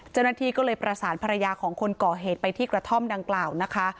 เจ้าหน้าที่ก็เลยประสานภรรยาของคนก่อเหตุไปที่กระท่อมดังกล่าวนะคะ